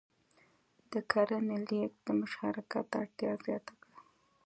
د کرنې لېږد د مشارکت اړتیا زیاته کړه.